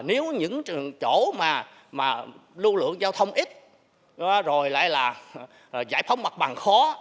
nếu những chỗ mà lưu lượng giao thông ít rồi lại là giải phóng mặt bằng khó